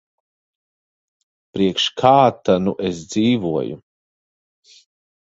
Priekš kā ta nu es dzīvoju.